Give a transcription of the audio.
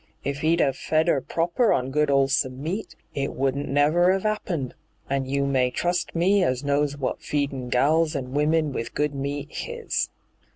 If 'e'd *ave fed 'er proper on good 'oleBome meat, it wouldn't never 'ave 'appened, an* you may trust me as knows wot feedin' gals and women with good meat his.